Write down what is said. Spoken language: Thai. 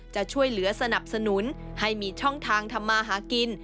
จะช่วยเหลือสนับสนุนให้มีช่องทางทำมาหากิน